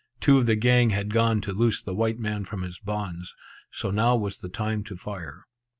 Two of the gang had gone to loose the white man from his bonds; so now was the time to fire.